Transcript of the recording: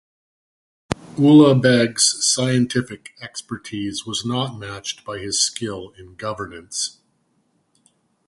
Ulugh Beg's scientific expertise was not matched by his skills in governance.